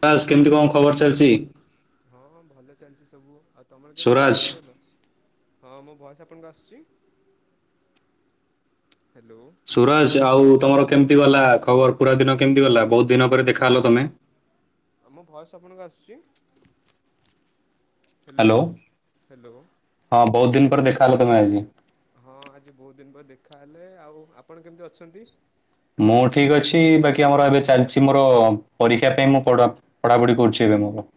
Hello boss କେମିତି କଣ ଖବର୍ ଚାଲିଚି? ହଁ ଭଲ ଚାଲିଚି ସବୁ ଆଉ ତମର କେମିତି ସୁରାଜ ଚାଲିଚି ଭଲ? ହଁ ମୋ ଭଏସ୍ ଆପଣଙ୍କୁ ଆସୁଚି -ହାଲୋ। ସୁରଜ୍ ଆଉ ତମର କେମିତି ଗଲା ଖବର୍ ପୁରା ଦିନ କେମିତି ଗଲା ବହୁତ୍ ହାଲୋ। ଆ-ମୋ ଭଏସ୍ ଆପଣଙ୍କୁ ଆସୁଚି -ହେଲୋ ହ୍ୟାଲୋ ହେଲୋ। ହଁ ବହୁତ୍ ଦିନ୍ ପରେ ଦେଖାହେଲ ତମେ ଆଜି। ହଁ ଆଜି ବହୁତ୍ ଦିନ୍ ପରେ ଦେଖାହଲେ ଆଉ ଆପଣ କେମିତି ଅଛନ୍ତି? ମୁଁ ଠିକ୍ ଅଛି ବାକି ଆମର ଏବେ ଚାଲିଚି ମୋର ପରୀକ୍ଷା ପାଇଁ ମୁଁ ପଢ ପଢାପଢି କରୁଚି ଏବେ ମୁଁ।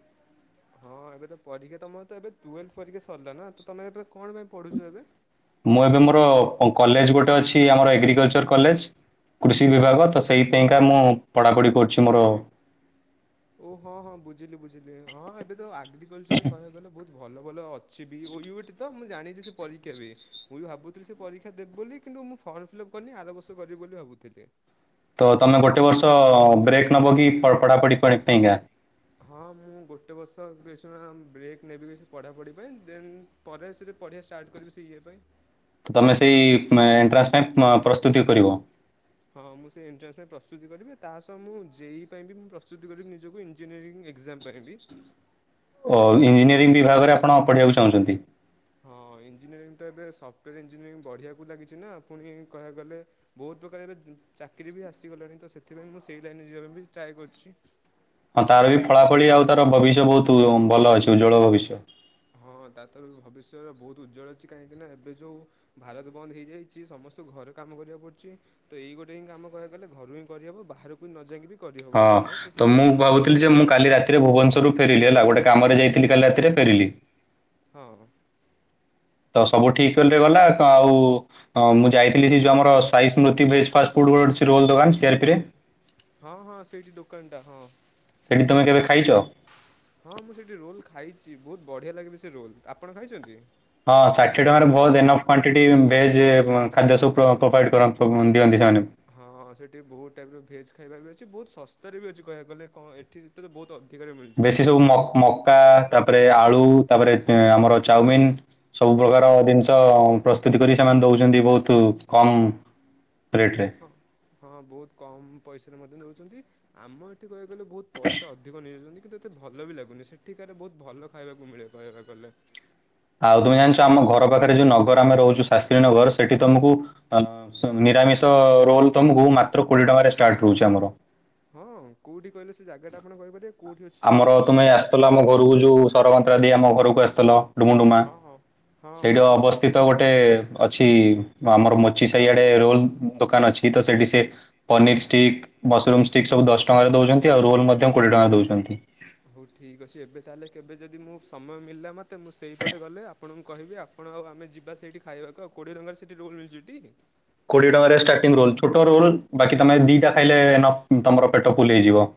ହଁ ଏବେ ତ ପରୀକ୍ଷା ତମର ତ ଏବେ ଟୁଏଲ୍ଭ ପରୀକ୍ଷା ସରିଲା ନା ତ-ତମେ ଏବେ କଣ ପାଇଁ ପଢୁଚ ଏବେ? ମୁଁ ଏବେ ମୋର କଲେଜ୍ ଗୋଟେ ଅଛି ଆମର ଏଗ୍ରିକଲଚର୍ କଲେଜ୍ କୃଷି ହଁ ହଁ ବିଭାଗ ତ ସେଇ ପାଇଁକା ମୁଁ ପଢାପଢି କରୁଚି ମୋର ଓ ହଁ -ହଁ ବୁଝିଲି ବୁଝିଲି ହଁ ଏବେ ତ ଆଗ୍ରିକଲଚର୍ କହିବାକୁ ଗଲେ ବହୁତ୍ ଭଲ ଭଲ ଅଛି ବି ଓ-ୟୁଟ୍ ତ ମୁଁ ଜାଣିଚି ସେ ପରୀକ୍ଷା ହୁଏ। ମୁଁ ବି ଭାବୁଥିଲି ସେ ପରୀକ୍ଷା ଦେବି ବୋଲି କିନ୍ତୁ ମୁଁ ଫର୍ମ ଫିଲପ୍ କରିନି ଆର ବର୍ଷ କରିବି ବୋଲି ଭାବୁଥିଲି। ତ ତମେ ଗୋଟେ ବର୍ଷ ବ୍ରେକ୍ ନବ କି ପ-ପଢାପଢି ପାଇଁକା? ହଁ ମୁଁ ଗୋଟେ ବର୍ଷ କିଛି [unintelligible] ବ୍ରେକ୍ ନେବି କିଛି ପଢାପଢି ପାଇଁ ଦେନ୍ ପରେ ସେ ପଢ଼ିବା ଷ୍ଟାର୍ଟ କରିବି ସେଇ ଇଏ ପାଇଁ। ତମେ ସେଇ ଏଣ୍ଟ୍ରାନ୍ସ ପାଇଁ ପ୍ରସ୍ତୁତି କରିବ। ହଁ ମୁଁ ସେ ଏଣ୍ଟ୍ରାନ୍ସ ପାଇଁ ପ୍ରସ୍ତୁତି କରିବି ତା ସହ ମୁଁ ଜେଇ ପାଇଁ ବି ମୁଁ ପ୍ରସ୍ତୁତି କରିବି ନିଜକୁ ଇଂ ଇଞ୍ଜିନିୟରିଂ ଏକ୍ଜାମ୍ ପାଇଁ ବି। ଓ ଇଞ୍ଜିନିୟରିଂ ବିଭାଗରେ ଆପଣ ପଢିବାକୁ ଚାହୁଁଚନ୍ତି? ହଁ ଇଞ୍ଜିନିୟରିଂ ତ ଏବେ ସଫ୍ଟୱେୟାର୍ ଇଞ୍ଜିନିୟରିଂ ବଢିବାକୁ ଲାଗିଚି ନା ପୁଣି କହିବାକୁ ଗଲେ ବହୁତ୍ ପ୍ରକାର ଏବେ ଚାକିରି ବି ଆସିଗଲାଣି ତ ସେଥିପାଇଁ ମୁଁ ସେଇ ଲାଇନ୍ ରେ ଯିବା ପାଇଁ ବି ଟ୍ରାଏ କରୁଚି। ହଁ ତାର ବି ଫଳାଫଳି ଆଉ ତାର ଭବିଷ୍ୟ ବହୁତ୍ ଭଲ ଅଛି ଉଜ୍ଜ୍ଵଳ ଭବିଷ୍ୟତ୍। ହଁ ତା ତ ଭବିଷ୍ୟରେ ବହୁତ୍ ଉଜ୍ଜ୍ଵଳ ଅଛି କାହିଁକି ନା ଏବେ ଯଉ ଭାରତ ବନ୍ଦ୍ ହେଇଯାଇଚି ସମସ୍ତଙ୍କୁ ଘରେ କାମ କରିବାକୁ ପଡୁଚି। ତ ଏଇ ଗୋଟେ ହିଁ କାମ କରିବାକୁ ହେଲେ ଘରୁ ହିଁ କରିହବ ବାହାରକୁ ନ ଯାଇକି ବି ହଁ କରିହବ ଏଇ କାମ ତ ସେ ମୁଁ ଭାବୁଥିଲି ଯେ ମୁଁ କାଲି ରାତିରେ ଭୁବନେଶ୍ୱରରୁ ଫେରିଲି ହେଲା ଗୋଟେ କାମରେ ଯାଇଥିଲି କାଲି ରାତିରେ ଫେରିଲି। ହଁ-ହଁ। ତ ସବୁ ଠିକ୍ ରେ ଗଲା ଆଉ ମୁଁ ଯାଇଥିଲି ସେ ଯଉ ଆମର ସାଇ ସ୍ମୃତି ଭେଜ୍ ଫାଷ୍ଟ୍ ରୋଡ୍ ଅଛି ରୋଲ୍ ଦବା ସି ଆର୍ ପି ରେ। ହଁ- ହଁ ସେଇଠି ଦୋକାନ୍ ଟା ହଁ। ସେଠି ତମେ କେବେ ଖାଇଚ? ହଁ ମୁଁ ସେଇଠି ରୋଲ୍ ଖାଇଚି ବହୁତ୍ ବଢ଼ିଆ ଲାଗେ ବି ସେ ରୋଲ୍ -ଆପଣ ଖାଇଚନ୍ତି? ହଁ ଷାଠିଏ ଟଙ୍କାରେ ବହୁତ୍ ଏନଫ୍ କ୍ଵାଣ୍ଟିଟି ଭେଜ୍ ଖାଦ୍ୟ ସବୁ ପ୍ରୋଭାଇଡ ଦିଅନ୍ତି ସେମାନେ ହଁ ସେଠି ବହୁତ୍ ଟାଇପ୍ ର ଭେଜ୍ ଖାଇବା ବି ଅଛି ବହୁତ୍ ଶସ୍ତାରେ ବି ଅଛି କହିବାକୁ ଗଲେ କଁ ଏଠି ବହୁତ୍ ଅ ବେଶୀ ସବୁ ମ- ମକା ତାପରେ ଆଳୁ ତାପରେ ଆମର ଚାଉମିିନ୍ ସବୁ ହଁ ପ୍ରକାର ଜିନିଷ ପ୍ରସ୍ତୁତି କରି ସେମାନେ ଦଉଚନ୍ତି ବହୁତ କମ୍ ରେଟ୍ ରେ। ହଁ- ହଁ ବହୁତ୍ କମ୍ ପଇସାରେ ମଧ୍ୟ ଦଉଚନ୍ତି ଆମ ଏଠି କହିବାକୁ ଗଲେ ବହୁତ୍ ପଇସା ଅଧି ଅଧିକ ନେଇଯାଉଚନ୍ତି କିନ୍ତୁ ଏତେ ଭଲ ବି ଲାଗୁନି ସେଠିକାରେ ବହୁତ ଭଲ ଖାଇବାକୁ ମିଳେ କହିବାକୁ ଗଲେ। ଆଉ ତୁମେ ଜାଣିଚ ଆମ ଘର ପାଖରେ ଯଉ ନଗର ଆମେ ରହୁଚୁ ଶାସ୍ତ୍ରୀ ନଗର ସେଠି ତମକୁ ଆ ସବୁ ନିରାମିଷ ରୋଲ୍ ତମକୁ ମାତ୍ର କୋଡିଏ ଟଙ୍କାରେ ଷ୍ଟାର୍ଟ ରହୁଚି ଆମର। ହଁ କଉଠି କହିଲେ ସେ ଜାଗାଟା ଆପଣ କହିପାରିବେ? କେଉଁଠି ଅଛି ଆମର ତୁମେ ଆସିଥିଲ ଆମ ଘରକୁ ଯଉ ସର ମନ୍ତ୍ରା ଦେଇ ଆମ ଘରକୁ ଆସିଥିଲ। ଡୁମୁଡୁମା ହଁ ହଁ ହଁ ସେଇଠେ ହଁ ହଁ ଅବସ୍ଥିତ୍। ତ ଗୋଟେ ଅଛି ଆମର ମୋଚି ସାହି ଆଡେ ରୋଲ ଦୋକାନ ଅଛି ତ ସେଠି ସେ ପନିର ଷ୍ଟିକ୍ ମସରୁମ ଷ୍ଟିକ ସବୁ ଦଶ ଟଙ୍କାରେ ଦଉଛନ୍ତି ଆଉ ରୋଲ ମଧ୍ୟ କୋଡିଏ ଟଙ୍କା ଦଉଛନ୍ତି। ହଉ ଠିକ୍ ଅଛି ଏବେ ତାହେଲେ କେବେ ଯଦି ମୁଁ ସମୟ ମିଳିଲା ମୋତେ ମୁଁ ସେଇପଟେ ଗଲେ ଆପଣଙ୍କୁ କହିବି ଆ ଆପଣ ଆଉ ଆମେ ଯିବା ସେଇଠି ଖାଇବାକୁ ଆଉ କୋଡ଼ିଏ ଟଙ୍କାରେ ସେଇଠି ରୋଲ ମିଳୁଛି ଟି। କୋଡିଏ ଟଙ୍କାରେ ଷ୍ଟାର୍ଟି ରୋଲ ଛୋଟ ରୋଲ ବାକି ତମେ ଦିଟା ଖାଇଲେ ଏନଫ ତମର ପେଟ ଫୁଲ ହେଇଯିବ।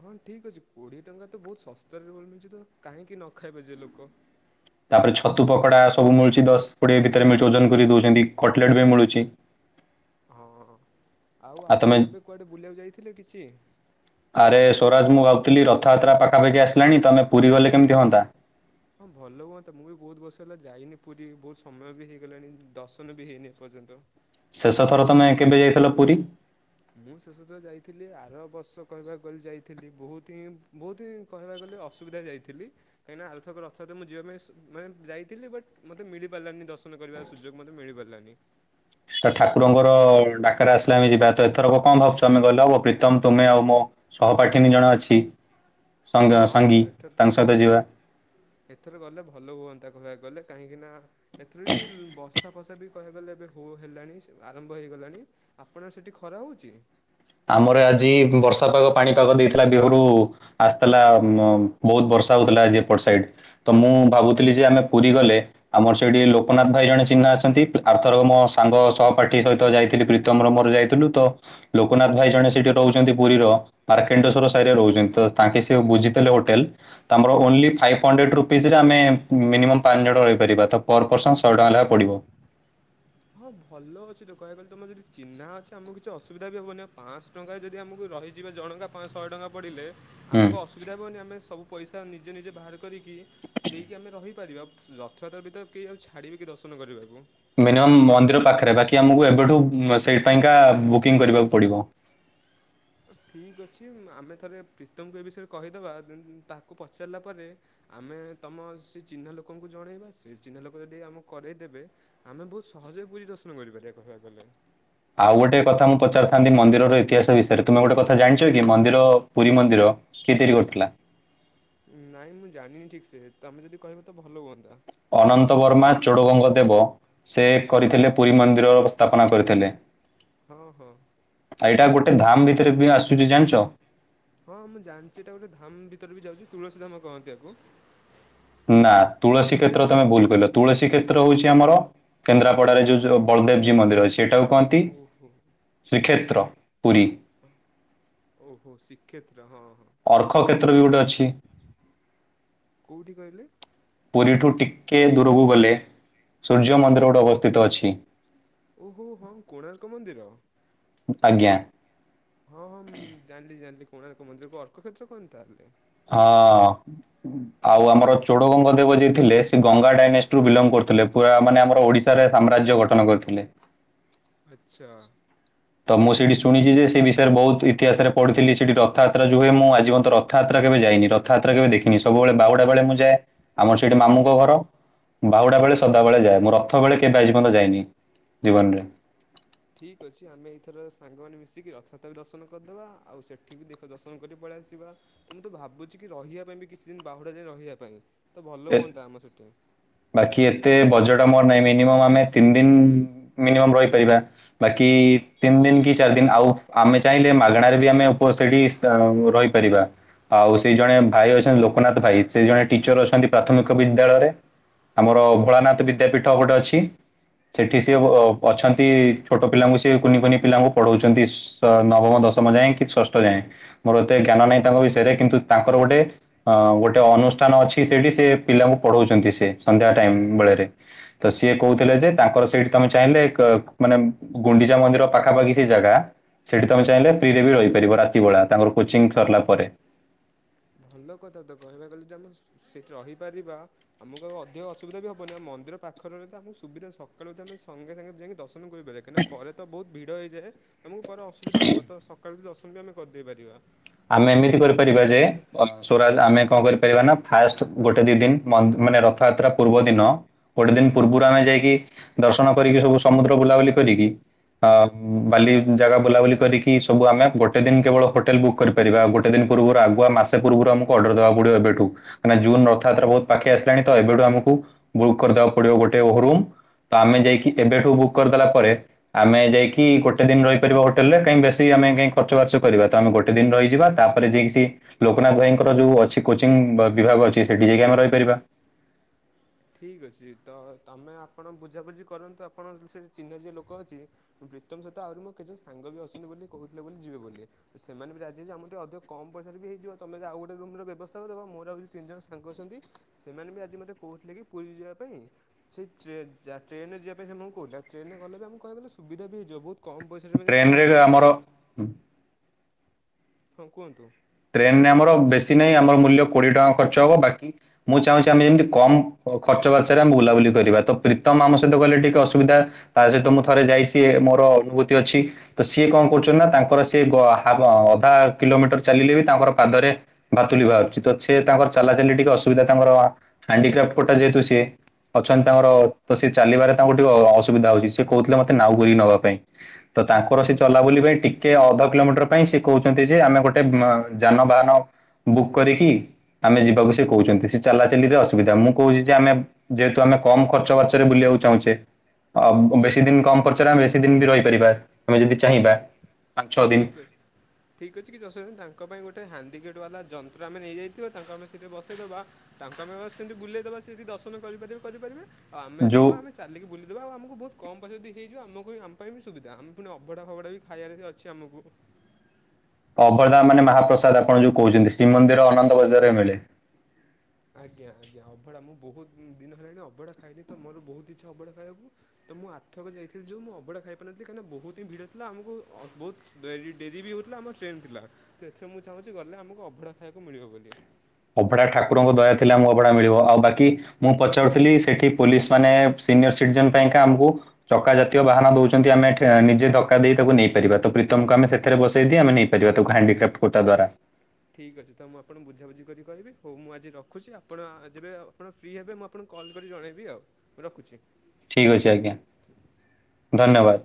ହଁ ଠିକ୍ ଅଛି କୋଡ଼ିଏ ଟଙ୍କା ତ ବହୁତ ଶସ୍ତାରେ ରୋଲ ମିଳୁଛି ତ କାହିଁକି ନ ଖାଇବେ ଯେ ଲୋକ। ତାପରେ ଛତୁ ପକୋଡା ସବୁ ମିଳୁଛି ଦଶ କୋଡ଼ିଏ ଭିତରେ ମି ଯୋଜନ କରି ଦଉଛନ୍ତି କଟଲେଟ୍ ବି ମିଳୁଛି। ହଁ ଆଉ ଆପଣ ଏବେ କୁଆଡ଼େ ବୁଲିବାକୁ ଯାଇଥିଲେ କିଛି। ଆରେ ସ୍ୱରାଜ ମୁଁ ଭାବୁଥିଲି ରଥଯାତ୍ରା ପାଖାପାଖି ଆସିଲାଣି ତ ଆମେ ପୁରୀ ଗଲେ କେମିତି ହୁଅନ୍ତା। ହଁ ଭଲ ହୁଅନ୍ତା ମୁଁ ବି ବହୁତ ବର୍ଷ ହେଲା ଯାଇନି ପୁରୀ ବହୁତ ସମୟ ବି ହେଇଗଲାଣି ଦର୍ଶନ ବି ହେଇନି ଏପର୍ଯ୍ୟନ୍ତ। ଶେଷ ଥର ତମେ କେବେ ଯାଇଥିଲ ପୁରୀ? ମୁଁ ଶେଷ ତ ଯାଇଥିଲି ଆର ବର୍ଷ କହିବାକୁ ଗଲି ଯାଇଥିଲି ବହୁତ ହିଁ ବହୁତ ହି କହିବାକୁ ଗଲେ ଅସୁବିଧା ଯାଇଥିଲି। କାହିଁକି ଆରଥରକ ରଥଯାତ୍ରା ମୁଁ ଯିବା ପାଇଁ ମାନେ ଯାଇଥିଲି ବଟ୍ ମତେ ମିଳି ପାରିଲାନି ଦର୍ଶନ କରିବା ସୁଯୋଗ ମତେ ମିଳିିପାରିଲାନି। ତ ଠାକୁରଙ୍କର ଡାକରେ ଆସିଲେ ଆମେ ଯିବା ତ ଏଥରକ କଣ ଭାବଛୁ ଆମେ ଗଲେ ହବ ପ୍ରୀତମ ତୁମେ ଆଉ ମୁଁ। ସହପାଠିନୀ ହଁ ଜଣେ ଅଛି ସ ହଁ ହଁ ସଙ୍ଗୀ ତାଙ୍କ ସହିତ ଏଥର ଯିବା। ଏଥର ଗଲେ ଭଲ ହୁଅନ୍ତା କହିବାକୁ ଗଲେ କାହିଁକି ନା ଏଥିରେ ବି ବର୍ସା ଫସା ବି କହିବାକୁ ଗଲେ ଏବେ ହୋ ହେଲାଣି ଆରମ୍ଭ ହେଇଗଲାଣି ଆପଣ ସେଠି ଖରା ହୋଉଛି। ଆମର ଆଜି ବର୍ଷା ପାଗ ପାଣିପାଗ ଦେଇଥିଲା ବିହରୁ ଆ ହେଲା ବହୁତ ବର୍ଷା ହଉଥିଲା ଆଜି ଏପଟ ସାଇଡ ତ ମୁଁ ଭାବୁଥିଲି ଯେ ଆମେ ପୁରୀ ଗଲେ ଆମର ସେଇଠି ଲୋକନାଥ ଭାଇ ଜଣେ ଚିହ୍ନା ଅଛନ୍ତି ଆର୍ଥର ମୋ ସାଙ୍ଗ ସହପାଠୀ ସହିତ ଯାଇଥିଲି ପ୍ରୀ ତମର ମୋର ଯାଇଥିଲୁ ତ ଲୋକନାଥ ଭାଇ ଜଣେ ସେଇଠି ରହୁଛନ୍ତି ପୁରୀର ମାର୍କେଣ୍ଡେଶ୍ୱର ସାଇରେ ରହୁଛନ୍ତି ତ ତାଙ୍କେ ସିଏ ବୁଝିଦେଲେ ହୋଟେଲ। ତ ଆମର ଓନ୍ଲି ଫାଇଭ୍ ହଣ୍ଡରେଡ ରୁପିଜରେ ଆମେ ମିନିମମ୍ ପାଞ୍ଚ ଜଣ ରହିପାରିବା ତ ପର ପରର୍ସନ୍ ଶହେ ଟଙ୍କା ଲେଖା ପଡ଼ିବ। ହଁ ଭଲ ଅଛି ତ କହିବାକୁ ଗଲେ ତମର ଯଦି ଚିହ୍ନା ଅଛି ଆମକୁ କିଛି ଅସୁବିଧା ବି ହବନି ପାଞ୍ଚଶହ ଟଙ୍କା ଯଦି ଆମକୁ ରହିଯିବା ଜଣକା ପା ଶହେ ଟଙ୍କା ପଡ଼ିଲେ ହୁଁ ଆମକୁ ଅସୁବିଧା ହବନି ଆମେ ସବୁ ପଇସା ନିଜ ନିଜେ ବାହାର କରିକି ଦେଇକି ଆମେ ରହିପାରିବା ରଥଯାତ୍ରା ଭିତରେ କେହି କାହାକୁ ଛାଡ଼ିବେ କି ଦର୍ଶନ କରିବାକୁ। ମିନିମମ୍ ମନ୍ଦିର ପାଖରେ ବାକି ଆମକୁ ଏବେଠୁ ସେଇଥିପାଇକା ବୁକିଂ କରିବାକୁ ପଡ଼ିବ। ଠିକ୍ ଅଛି ଆମେ ଥରେ ପ୍ରୀତମଙ୍କୁ ଏ ବିଷୟରେ କହିଦବା ଦେନ୍ ତାକୁ ପଚାରିଲା ପରେ ଆମେ ତମ ସେ ଚିହ୍ନା ଲୋକଙ୍କୁ ଜଣେଇବା ସେ ଚିହ୍ନା ଲୋକ ଯଦି ଆମକୁ କରେଇଦେବେ ଆମେ ବହୁତ ସହଜରେ ପୁରୀ ଦର୍ଶନ କରିପାରିବା କହିବାକୁ ଗଲେ। ଆଉ ଗୋଟେ କଥା ମୁଁ ପଚାରିଥାନ୍ତି ମନ୍ଦିରର ଇତିହାସ ବିଷୟରେ ତୁମେ ଗୋଟେ କଥା ଜାଣିଛ କି ମନ୍ଦିର ପୁରୀ ମନ୍ଦିର କିଏ ତିଆରି କରିଥିଲା? ନାଇଁ ମୁଁ ଜାଣିନି ଠିକ୍ ସେ ତମେ ଯଦି କହିବ ତ ଭଲ ହୁଅନ୍ତା। ଅନନ୍ତ ବର୍ମା ଚୋଡ଼ଗଙ୍ଗ ଦେବ। ସେ କରିଥିଲେ ପୁରୀ ମନ୍ଦିର ସ୍ଥାପନା କରିଥିଲେ। ଓହୋ। ଆଉ ଏଇଟା ଗୋଟେ ଧାମ ଭିତରେ ବି ଆସୁଛି ଜାଣିଛ। ହଁ ମୁଁ ଜାଣିଛି ଏଟା ଗୋଟେ ଧାମ ଭିତରେ ବି ଯାଉଛି ତୁଳସୀ ଧାମ କହନ୍ତି ଆକୁ। ନା ତୁଳସୀ କ୍ଷେତ୍ର ତମେ ଭୁଲ କହିଲ ତୁଳସୀ କ୍ଷେତ୍ର ହଉଛି ଆମର କେନ୍ଦ୍ରାପଡାରେ ଯୋଉ ବଳଦେବଜୀଉ ମନ୍ଦିର ଅଛି ସେଇଟାକୁ ଓହୋ। ପୁରୀ ଓହୋ ଶିକ୍ଷେତ୍ର ହଁ ହଁ। ଅର୍କକ୍ଷେତ୍ର ବି ଗୋଟେ ଅଛି। କୋଉଠି କହିଲେ ପୁରୀଠୁ ଟିକେ ଦୂରକୁ ଗଲେ ସୂର୍ଯ୍ୟ ମନ୍ଦିର ଗୋଟେ ଅବସ୍ଥିତ ଅଛି। ଓହୋ ହଁ କୋଣାର୍କ ମନ୍ଦିର। ଆଜ୍ଞା ହଁ ହଁ ଜାଣିଲି ଜାଣିଲି କୋଣାର୍କ ମନ୍ଦିରକୁ ଅର୍କଖେତ୍ର କୁହନ୍ତି ତାହେଲେ। ହଁ। ଆଉ ଆମର ଚୋଡ଼ଗଙ୍ଗ ଦେବ ଯିଏ ଥିଲେ ସେ ଗଙ୍ଗା ଡାଇନାସ୍ଟିରୁୁ ବିଲଙ୍ଗ କରୁଥିଲେ ପୁରା ମାନେ ଆମର ଓଡ଼ିଶା ଏଠାରେ ସାମ୍ରାଜ୍ୟ ଗଠନ କରିଥିଲେ। ଆଛା। ତ ମୁଁ ସେଇଠି ଶୁଣିଛି ଯେ ସେ ବିଷୟରେ ବହୁତ ଇତିହାସରେ ପଢିଥିଲି ସେଠି ରଥଯାତ୍ରା ଯଉ ହୁଏ ମୁଁ ଆଜି ପର୍ଯ୍ୟନ୍ତ ର ରଥଯାତ୍ରା କେବେ ଯାଇନି, ରଥଯାତ୍ରା କେବେ ଦେଖିନି, ସବୁବେଳେ ବାହୁଡା ବେଳେ ମୁ ଯାଏ। ଆମର ସେଠି ମାମୁଁଙ୍କ ଘର ବାହୁଡା ବେଳେ ହଁ ସଦାବେଳେ ଯାଏ ମୁଁ ରଥ ସବୁବେଳେ କେବେ ଆଜି ପର୍ଯ୍ୟନ୍ତ ଯାଇନି ଜୀବନରେ। ଠିକ୍ ଅଛି ଆମେ ଏଇଥର ସାଙ୍ଗମାନେ ମିଶିକି ରଥଯାତା ବି ଦର୍ଶନ କରିଦେବା। ଆଉ ସେଠି ବି ଦେଖ ଦର୍ଶନ କରି ପଳେଇ ଆସିବା। ତ ମୁଁ ତ ଭାବୁଛି କି ରହିବା ପାଇଁ ବି କିଛି ଦିନ ବାହୁଡା ଯାଏ ରହିବା ପାଇଁ ତ ଭଲ ଏ ହୁଅନ୍ତା ଆମର ସେଠି। ବାକି ଏତେ ବଜେଟ ଆମର ନାହିଁ ମିନିମମ୍ ଆମେ ତିନି ଦିନ ମିନିମମ ରହିପାରିବା। ବାକି ତିନି ଦିନ କି ଚାରି ଦିନ ଆଉ ଆମେ ଚାହିଁଲେ ମାଗଣାରେ ବି ଆମେ ଉପ ସେଠି ଆଉ ରହିପାରିବା। ଆଉ ସେଇ ଜଣେ ଭାଇ ଅଛନ୍ତି ଲୋକନାଥ ଭାଇ। ସେ ଜଣେ ଟିଚର ଅଛନ୍ତି ପ୍ରାଥମିକ ବିଦ୍ୟାଳୟରେ। ଆମର ଭୋଳାନାଥ ବିଦ୍ୟାପୀଠ ଗୋଟେ ଅଛି ସେଠି ସିଏ ହଁ ଉ ଅଛନ୍ତି ଛୋଟ ପିଲାଙ୍କୁ ସିଏ କୁନି କୁନି ପିଲାଙ୍କୁ ପଢ଼ଉଛନ୍ତି। ନବମ, ଦଶମ ଯାଏଁ କି ଷଷ୍ଠ ଯାଏଁ। ମୋର ଏତେ ଜ୍ଞାନ ନାହିଁ ତାଙ୍କ ବିଷୟରେ କିନ୍ତୁ ତାଙ୍କର ଗୋଟେ ହଁ ଗୋଟେ ଅନୁଷ୍ଠାନ ଅଛି ସେଠି ସେ ପିଲାଙ୍କୁ ପଢଉଛନ୍ତି ସେ ସନ୍ଧ୍ୟା ଟାଇମ ବେଳରେ। ତ ସିଏ କହୁଥିଲେ ଯେ ତାଙ୍କର ସେଇଠି ତମେ ଚାହିଁଲେ କ ମାନେ ଗୁଣ୍ଡିଚା ମନ୍ଦିର ପାଖାପାଖି ସେ ଜାଗା ସେଠି ତମେ ଚାହିଁଲେ ଫ୍ରିରେ ବି ରହିପାରିବ ରାତି ବେଳା ତାଙ୍କର କୋଚିଂ ସିରିଲା ପରେ। ଭଲ କଥା ତ କହିବାକୁ ଗଲେ ଯେ ଆମେ ସେଠି ରହିପାରିବା। ଆମକୁ ଆଉ ଅଧିକ ଅସୁବିଧା ବି ହବନି ଆମେ ମନ୍ଦିର ପାଖରେ ରହିଲେ ତ ଆମକୁ ସୁବିଧା ସକାଳୁ ତ ଆମେ ସଙ୍ଗେ ସଙ୍ଗେ ଯାଇକି ଦର୍ଶନ କରିପାରିବା କାହିଁ ନା ପରେ ତ ବହୁତ ଭିଡ଼ ହେଇଯାଏ ତମକୁ ପରେ ଅସୁବିଧା ହବ ତ ସକାଳୁ ତ ଦର୍ଶନ ବି ଆମେ କରିଦେଇ ପାରିବା। ଆମେ ଏମିତି କରି ପାରିବା ଯେ ପଛୁ ରା ଆମେ କଣ କରିପାରିବା ନା ଫାଷ୍ଟ ଗୋଟେ ଦି ଦିନ ମନ୍ ମାନେ ରଥଯାତ୍ରା ପୂର୍ବ ଦିନ ଗୋଟେ ଦିନ ପୂର୍ବରୁ ଆମେ ଯାଇକି ଦର୍ଶନ କରିକି ସବୁ ସମୁଦ୍ର ବୁଲା ବୁଲି କରିକି ଅ ବାଲି ଜାଗା ବୁଲାବୁଲି କରିକି ସବୁ ଆମେ ଗୋଟେ ଦିନ କେବଳ ହୋଟେଲ ବୁକ୍ କରିପାରିବା ଆ ଗୋଟେ ଦିନ ପୂର୍ବରୁ ଆଗୁଆ ମାସ ପୂର୍ବରୁ ଆମକୁ ଅର୍ଡର ଦେବାକୁ ପଡିବ ଏବେଠୁ ମାନେ ଜୁନ ରଥଯାତ୍ରା ବହୁତ ପାଖେଇ ଆସିଲାଣି ତ ଏବେଠୁ ଆମକୁ ବୁକ୍ କରିଦବାକୁ ପଡିବ ଗୋଟେ ଓହୋ ରୁମ୍। ତ ଆମେ ଯାଇକି ଏବେଠୁ ବୁକ୍ କରିଦେଲା ପରେ ଆମେ ଯାଇକି ଗୋଟେ ଦିନ ରହିପାରିବ ହୋଟେଲରେ କାହିଁ ବେଶି ଆମେ କାହିଁ ଖର୍ଚ୍ଚ ବାର୍ଚ୍ଚ କରିବା ତ ଆମେ ଗୋ ଗୋଟେ ଦିନ ରହିଯିବା ତାପରେ ଯାଇକି ସେ ଲୋକନାଥ ଭାଇଙ୍କର ଯୋଉ ଅଛି କୋଚିଂ ବିଭାଗ ଅଛି, ସେଠି ଯାଇକି ଆମେ ରହିପାରିବା। ଠିକ୍ ଅଛି ତ ତମେ ଆପଣ ବୁଝା ବୁଝି କରନ୍ତୁ ଆପଣ ସେ ଚିହ୍ନ ଯିଏ ଲୋକ ଅଛି। ପ୍ରୀତମ୍ ସହିତ ଆହୁରି ମୋ କେତେ ସାଙ୍ଗ ବି ଅଛନ୍ତି ବୋଲି କହୁଥିଲେ ବୋଲି ଯିବେ ବୋଲି। ସେମାନେ ବି ରାଜି ଅଛି ଯେ ଆମର ଟିକେ ଅଧିକ କମ୍ ପଇସାରେ ବି ହେଇଯିବ, ତମେ ଯଦି ଆଉ ଗୋଟେ ରୁମ୍ ର ବ୍ୟବସ୍ଥା କରିଦବ ମୋର ଆଉ ତିନି ଜଣ ସାଙ୍ଗ ଅଛନ୍ତି ସେମାନେ ବି ଆଜି ମତେ କହୁଥିଲେ କି ପୁରୀ ଯିବା ପାଇଁ ସେଇ ଟ୍ରେନ ଯା ଟ୍ରେନ ରେ ଯିବା ପାଇଁ ସେମାନେ କହୁଥିଲେ, ଟ୍ରେନ ଗଲେ ବି ଆମକୁ କଣପାଇଁ କହିଲ ସୁବଧା ହେଇଯିବ ବହୁତ କମ୍ ପଇସାରେ ଯେମିତି ଟ୍ରେନରେ ପହଞ୍ଚି ଯିବା। ଆମର ହଁ, କୁହନ୍ତୁ। ଟ୍ରେନ୍ ରେ ଆମର ବେଶୀ ନାହିଁ ଆମର ମୂଲ୍ୟ କୋଡ଼ିଏ ଟଙ୍କା ଖର୍ଚ୍ଚ ହବ ବାକି ମୁଁ ଚାହୁଁଛି ଆମେ ଯେମିତି କମ୍ ଖର୍ଚ୍ଚ ବାର୍ଚ୍ଚରେ ଆମେ ବୁଲା ବୁଲି କରିବା ତ ପ୍ରୀତମ୍ ଆମ ସହିତ ଗଲେ ଟିକେ ଅସୁବିଧା ତା ସହିତ ମୁଁ ଥରେ ଯାଇଛି ଇଏ ମୋର ବହୁତ୍ ତି ଅଛି ତ ସିଏ କଣ କରୁଛନ୍ତି ନା ତାଙ୍କର ସେ ଗ ହାଫ ଅଧା କିଲୋମିଟର ଚାଲିଲେ ବି ତାଙ୍କର ପାଦରେ ଭାତୁଲି ବାହାରୁଛି ତ ସେ ତାଙ୍କର ଚାଲାଚଲି ଟିକେ ଅସୁବିଧା ତାଙ୍କର ହଣ୍ଡିକ୍ରାପଟ୍ କୋଟା ଯେହେତୁ ସିଏ। ଅଛନ୍ତି ତାଙ୍କର ତ ସେ ଚାଲିବାରେ ତାଙ୍କୁ ଟିକେ ଅସୁବିଧା ହଉଛି, ସେ କହୁଥିଲେ ମତେ ନାଉ କରିକି ନବା ପାଇଁ ତ ତାଙ୍କର ସେ ଚଲା ବୁଲି ପାଇଁ ଟିକେ ଅଧ କିଲୋମିଟର ପାଇଁ ସେ କହୁଛନ୍ତି ଯେ ଆମେ ଗୋ ଟେ ମ୍ ଯାନ ବାହାନ ବୁକ୍ କରିକି ଆମେ ଯିବାକୁ ସେ କହୁଛନ୍ତି ସେ ଚାଲାଚଲିରେ ଅସୁବିଧା ମୁଁ କହୁଛି ଯେ ଆମେ ଯେହେତୁ ଆମେ କମ୍ କର୍ଚ୍ଚ ବାର୍ଚରେ ବୁଲିବାକୁ ଚାହୁଁଚେ। ଅବ ଅ ବେଶୀ ଦିନ କମ୍ ପର୍ଚ୍ଚରେ ଆମେ ବେଶୀ ଦିନ ବି ରହିପାରିବା ଆମେ ଯଦି ଚାହିଁବା। ପାଞ୍ଚ ଛଅ ଦିନ ଠିକ୍ ଅଛି। ଠିକ୍ ଅଛି କିଛି ଅସୁବିଧା ନାହିଁ, ତାଙ୍କ ପାଇଁ ଗୋଟେ ହ୍ୟାଣ୍ଡିକେପ୍ଟ ବାଲା ଯନ୍ତ୍ର ଆମେ ନେଇଯାଇଥିବା ତାଙ୍କୁ ଆମେ ସେଇଠି ବସାଇ ଦେବା ତାଙ୍କୁ ଆମେ ବାସ୍ ସେମିତି ବୁଲେଇ ଦବା ସେ ଯଦି ଦର୍ଶନ କରିପାରିବେ କରିପାରିବେ ଆଉ ଆମେ ଯେତିକି ଯୋଉ ହବା ଆମେ ଚାଲିକି ବୁଲି ଦେବା ଆଉ ଆମକୁ ବହୁତ୍ କମ୍ ପଇସା ଜଦି ହେଇଯିବ ଆମକୁ ବି ଆମ ପାଇଁ ବି ସୁବିଧା ଆମେ ଫୁଣି ଅବଢା, ଫବଢା ବି ଖାଇବାରେ ଅ ଛି ଆମୁକୁ। ଅଭଡ଼ା ମାନେ ମହାପ୍ରସାଦ ଆପଣ ଯୋଉ କହୁଛନ୍ତି, ଶ୍ରୀମନ୍ଦିର ଅନନ୍ତ ବଜାରେ ମିଳେ। ଆଜ୍ଞା, ଆଜ୍ଞା, ଅଭଢ଼ା ମୁଁ ବହୁତ୍ ଦିନ ହେଲାଣି ଅବଢ଼ା ଖାଇନିତ ତ ମୋର ବହୁତ୍ ଇଚ୍ଛା ଅବଢ଼ା ଖାଇବାକୁ। ତ ମୁଁ ଆରଥରକ ଯାଇଥିଲି ଯୋଉ ମୁଁ ଅଭଡ଼ା ଖାଇ ପାରିନଥିଲି କାହିଁକିନା ବହୁତ୍ ହିଁ ଭିଡ ଥିଲା ଆମକୁ ବହୁତ୍ ଡେରି ଡେରି ବି ହେଉଥିଲା ଆମର ଟ୍ରେନ୍ ଥିଲା ତ ଏଥର ମୁଁ ଚାହୁଁଛି ଗଲେ ଆମକୁ ଅଭଡା ଖାଇବାକୁ ମିଳିବ ବୋଲି। ଅଭଡା ଠାକୁରଙ୍କ ଦୟା ଥଲେ ଆମୁକୁ ଅଭଡା ମିଳିବ ଆଉ ବାକି ମୁଁ ପଚାରୁଥିଲି ସେଠି ପୋଲିସ ମାନେ ସିନିୟର ସିଟିଜନ୍ ପାଇଁକା ଆମକୁ ଚକା ଜାତୀୟ ବାହାନ ଦଉଛନ୍ତି, ଆମେ ଟ୍ରେ ନିଜେ ଧକ୍କା ଦେଇ ତାକୁ ନେଇପାରିବା ତ ପ୍ରୀତମକୁ ଆମେ ସେଥିରେ ବସେଇଦି ଆମେ ନେଇ ପାରିବା ତାକୁ ହାଣ୍ଡିକ୍ୟାପ୍ଟ କୋଟା ଦ୍ୱାରା। ଠିକ୍ ଅଛି ତ ମୁଁ ଆପଣଙ୍କୁ ବୁଝା ବୁଝି କରି କହିବି, ହଉ ମୁଁ ଆଜି ରଖୁଛି ଆପଣ ଯେବେ ଆପଣ ଫ୍ରି ହେବେ ମୁଁ ଆପ ଫୁଣି କଲ୍ ଜଣେଇବି ଆଉ ମୁଁ ରଖୁଛି। ଠିକ୍ ଅଛି, ଆଜ୍ଞା ଧନ୍ୟବାଦ୍।